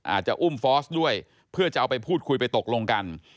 อาจจะอุ้มฟอสด้วยเพื่อจะเอาไปพูดคุยไปตกลงกัน